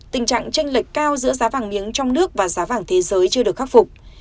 tình trạng tranh lệch cao giữa giá vàng miếng trong nước và giá vàng thế giới chưa được khắc phục